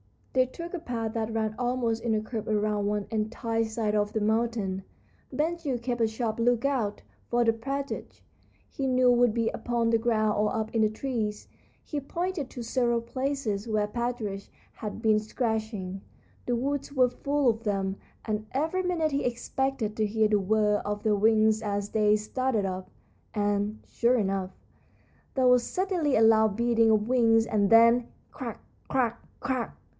They took a path that ran almost in a curve around one entire side of the mountain. Ben Gile kept a sharp lookout, for the partridge, he knew, would be upon the ground or up in the trees. He pointed to several places where partridge had been scratching. The woods were full of them, and every minute he expected to hear the whir of their wings as they started up. And, sure enough, there was suddenly a loud beating of wings, and then, crack! crack! crack!